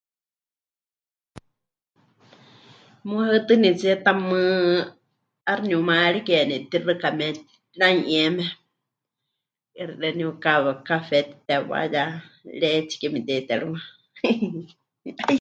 Muhaɨtɨnitsíe tamɨ́ 'aixɨ niumayarikeni tixɨkamé ranu'ieme, xeeníu café mɨtitewá ya reetsi ke memɨte'iterɨwa.